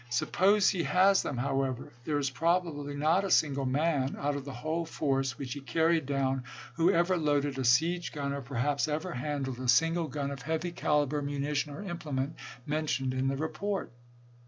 Suppose he has them, however, there is probably not a single man out of the whole force which he carried down who ever loaded a siege gun, or, perhaps, ever handled a single gun of heavy caliber, munition, or implement mentioned in the report.